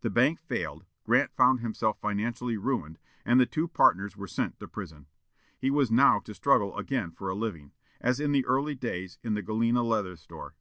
The bank failed, Grant found himself financially ruined, and the two partners were sent to prison. He was now to struggle again for a living, as in the early days in the Galena leather store.